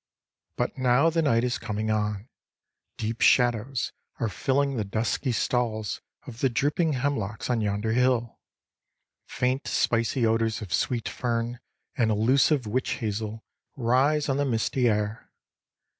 But now the night is coming on. Deep shadows are filling the dusky stalls of the drooping hemlocks on yonder hill. Faint spicy odors of sweet fern and illusive witch hazel rise on the misty air.